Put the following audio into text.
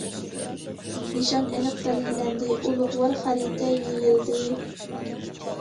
نىشان ئېنىق بەلگىلەندى، ئۇلۇغۋار خەرىتە يېيىلدى.